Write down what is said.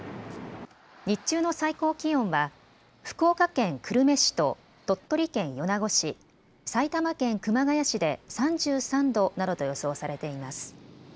日中の最高気温は福岡県久留米市と鳥取県米子市、埼玉県熊谷市で３３度などと予想されています。